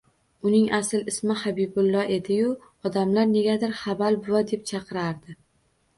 Uning asl ismi Habibulla edi-yu, odamlar negadir Habal buva deb chaqirardi.